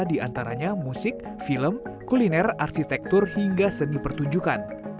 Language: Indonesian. diantaranya musik film kuliner arsitektur hingga seni pertunjukan